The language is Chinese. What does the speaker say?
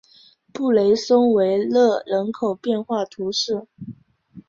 布雷松维勒人口变化图示